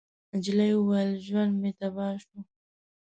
نجلۍ وويل: ژوند مې تباه شو.